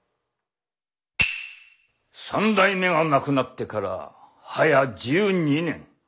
三代目が亡くなってから早１２年。